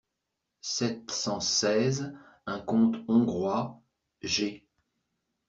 sept cent seize), un conte hongrois (G.